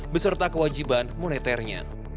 beserta kewajiban moneternya